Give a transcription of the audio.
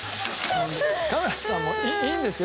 カメラさんもいいんですよ